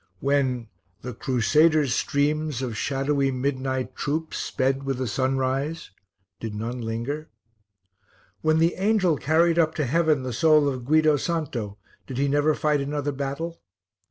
When "the Crusaders' streams of shadowy midnight troops sped with the sunrise," did none linger? When the angel carried up to heaven the soul of Guido Santo, did he never fight another battle?